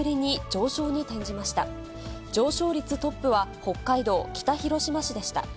上昇率トップは、北海道北広島市でした。